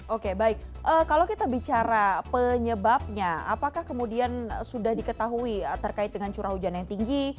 oke baik kalau kita bicara penyebabnya apakah kemudian sudah diketahui terkait dengan curah hujan yang tinggi